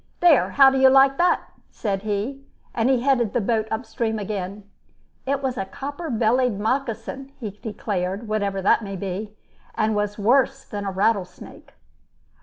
"There! how do you like that?" said he, and he headed the boat upstream again. It was a "copper bellied moccasin," he declared, whatever that may be, and was worse than a rattlesnake.